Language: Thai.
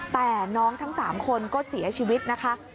แต่น้องทั้ง๓คนก็เสียชีวิตนะคะ